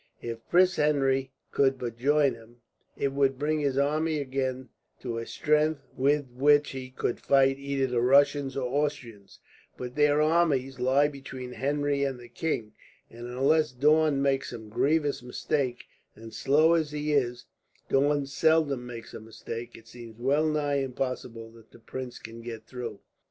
If Prince Henry could but join him, it would bring his army again to a strength with which he could fight either the Russians or Austrians; but their armies lie between Henry and the king, and unless Daun makes some grievous mistake and slow as he is, Daun seldom makes a mistake it seems well nigh impossible that the prince can get through.